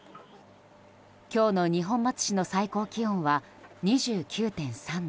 今日の二本松市の最高気温は２９．３度。